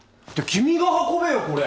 君が運べよこれ。